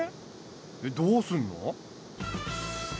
えっどうすんの？